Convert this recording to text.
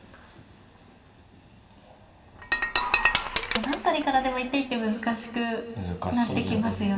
この辺りからでも一手一手難しくなってきますよね。